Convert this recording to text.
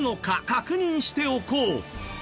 確認しておこう。